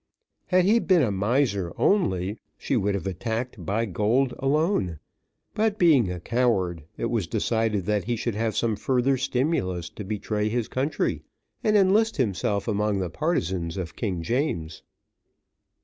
Had he been a miser only, she would have attacked by gold alone, but being a coward, it was decided that he should have some further stimulus to betray his country, and enlist himself among the partisans of King James.